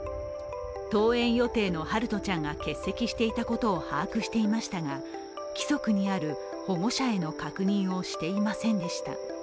登園予定の陽翔ちゃんが欠席していたことを把握していましたが規則にある保護者への確認をしていませんでした。